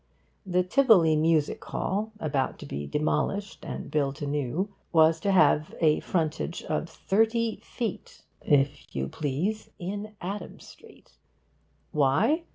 The Tivoli Music Hall, about to be demolished and built anew, was to have a frontage of thirty feet, if you please, in Adam Street. Why?